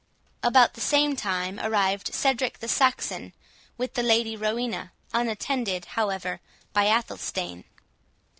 About the same time arrived Cedric the Saxon, with the Lady Rowena, unattended, however, by Athelstane.